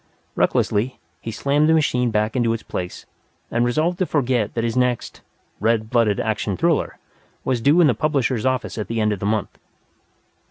Recklessly, he slammed the machine back into its place, and resolved to forget that his next "red blooded action thriller" was due in the publisher's office at the end of the month.